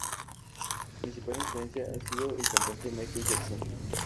Su principal influencia ha sido el cantante Michael Jackson.